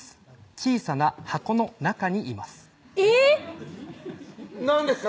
小さな箱の中にいますえっ⁉何ですか？